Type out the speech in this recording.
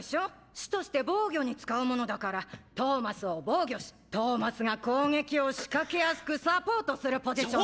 主として防御に使うものだからトーマスを防御しトーマスが攻撃を仕掛けやすくサポートするポジションで。